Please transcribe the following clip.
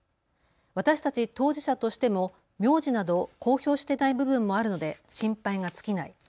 私たち当事者としても名字など公表していない部分もあるので心配が尽きない。